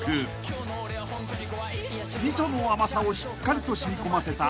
［味噌の甘さをしっかりと染み込ませた］